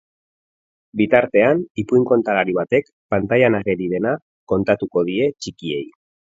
Bitartean ipuin kontalari batek pantailan ageri dena kontatuko die txikiei.